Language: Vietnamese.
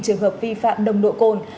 bốn mươi năm trường hợp vi phạm đồng nội cồn